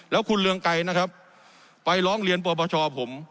แล้วคุณเรืองไก่ไปร้องเรียนปวปชอบผม